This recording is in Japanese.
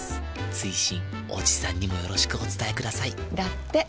追伸おじさんにもよろしくお伝えくださいだって。